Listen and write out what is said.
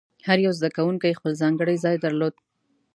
هر یو زده کوونکی خپل ځانګړی ځای درلود.